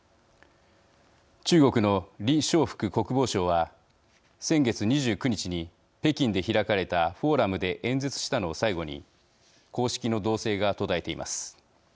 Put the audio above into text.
中国の李尚福国防相は先月２９日に北京で開かれたフォーラムで演説したのを最後に公式の動静が途絶えています。